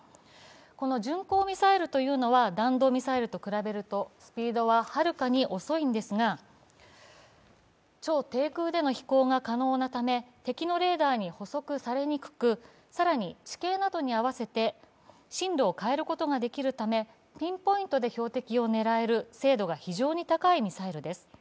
この巡航ミサイルというのは弾道ミサイルと比べるとスピードははるかに遅いんですが、超低空での飛行が可能なため、敵のレーダーに捕捉されにくく更に地形などに合わせて進路を変えることができるためピンポイントで標的を狙える、精度がとても高いミサイルです。